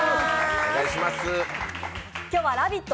今日は「ラヴィット！」